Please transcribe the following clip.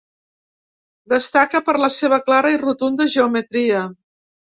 Destaca per la seva clara i rotunda geometria.